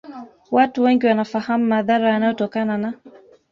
Watu wengi wanafahamu madhara yanayotokana na